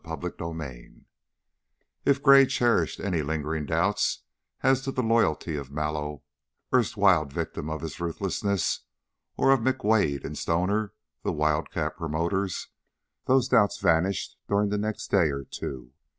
CHAPTER XII If Gray cherished any lingering doubts as to the loyalty of Mallow, erstwhile victim of his ruthlessness, or of McWade and Stoner, the wildcat promoters, those doubts vanished during the next day or two.